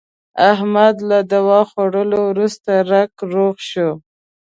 احمد له دوا خوړلو ورسته رک روغ شو.